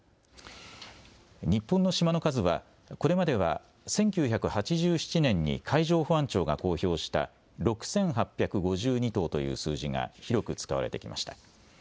日本の島の数はこれまでは１９８７年に海上保安庁が公表した６８５２島という数字が広く使われてきました。